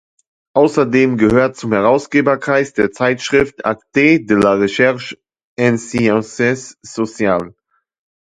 Außerdem gehört zum Herausgeberkreis der Zeitschrift Actes de la recherche en sciences sociales.